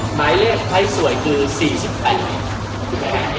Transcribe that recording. ๑๙๗๑หมายเลขไพรสวยปีนั่งคือ๔๐ปี